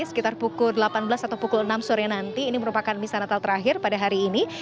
sekitar pukul delapan belas atau pukul enam sore nanti ini merupakan misa natal terakhir pada hari ini